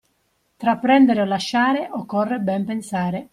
Tra prendere o lasciare occorre ben pensare.